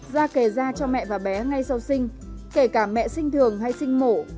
ra kề da cho mẹ và bé ngay sau sinh kể cả mẹ sinh thường hay sinh mổ